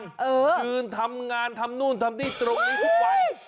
ยืนทำงานทำนู่นทำนี่ตรงนี้ทุกวัน